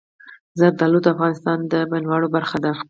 زردالو د افغانستان د بڼوالۍ برخه ده.